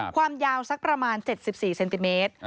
ความยาวสักประมาณ๗๔เซนติเมตร